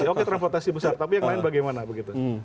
oke transportasi besar tapi yang lain bagaimana begitu